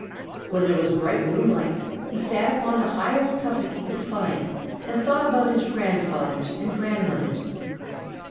When there was bright moonlight, he sat upon the highest tussock he could find and thought about his grandfathers and grandmothers.